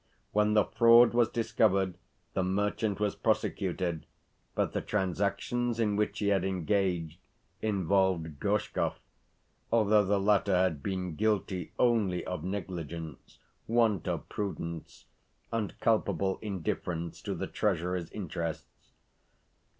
When the fraud was discovered the merchant was prosecuted, but the transactions in which he had engaged involved Gorshkov, although the latter had been guilty only of negligence, want of prudence, and culpable indifference to the Treasury's interests.